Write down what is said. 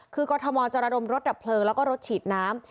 คือกรทมจะระดมรถดับเพลิงแล้วก็รถฉีดน้ำ